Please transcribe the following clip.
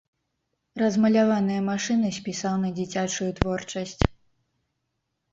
Размаляваныя машыны спісаў на дзіцячую творчасць.